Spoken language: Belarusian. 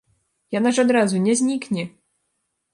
Яна ж адразу не знікне!